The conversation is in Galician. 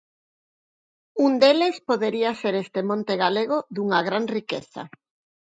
Un deles podería ser este monte galego dunha gran riqueza.